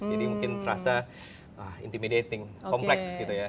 jadi mungkin terasa intimidating kompleks gitu ya